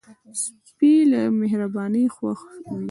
سپي ته مهرباني خوښ وي.